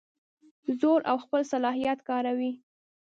زور او خپل صلاحیت کاروي.